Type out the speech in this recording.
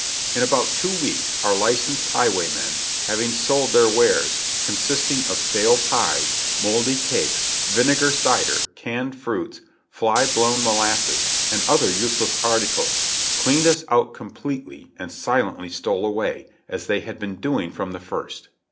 In about two weeks our licensed highwaymen, having sold their wares, consisting of stale pies, mouldy cakes, vinegar cider, canned fruits, fly blown molasses and other useless articles, cleaned us out completely and "silently stole away," as they had been doing from the first.